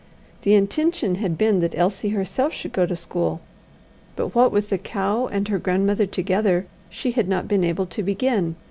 The intention had been that Elsie herself should go to school, but what with the cow and her grandmother together she had not been able to begin.